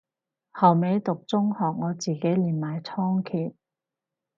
後尾讀中學我自己練埋倉頡